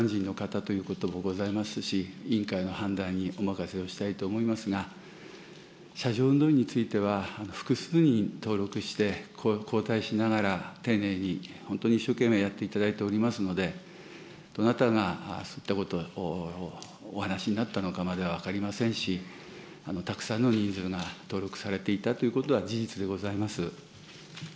民間人の方ということもございますし、委員会の判断にお任せをしたいと思いますが、車上運動員については、複数人登録して、交代しながら丁寧に本当に一生懸命やっていただいておりますので、どなたがそういったことをお話になったのかまでは分かりませんし、たくさんの人数が登録されていたということは事実でございます。